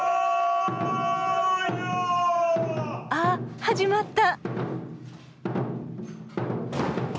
あ始まった。